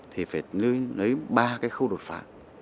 thì phải lấy ba cái khâu đột phá